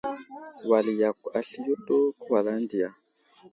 Wal yakw asliyo ɗu kəwalaŋ diya !